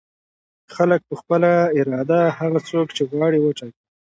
خلک په خپله اراده هغه څوک چې غواړي وټاکي.